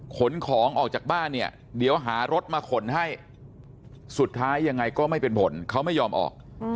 ขนของออกจากบ้านเนี่ยเดี๋ยวหารถมาขนให้สุดท้ายยังไงก็ไม่เป็นผลเขาไม่ยอมออก